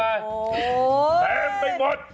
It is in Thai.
แบบไปหมด